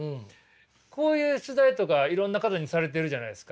こういう取材とかいろんな方にされてるじゃないですか。